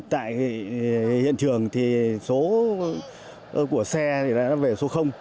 tại hiện trường thì số của xe về số